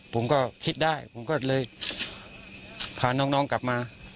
ผมก็คิดได้ผมก็เลยพาน้องกลับมา